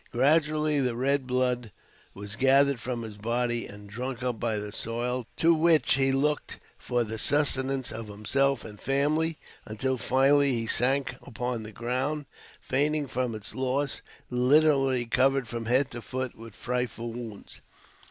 Gradually the red blood was gathered from his body and drank up by the soil to which he looked for the sustenance of himself and family, until finally, he sank upon the ground fainting from its loss, literally covered from head to foot with frightful wounds.